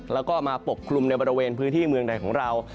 แล้วก็มาปกคลุมในบริเวณพื้นที่เมืองใดของเรา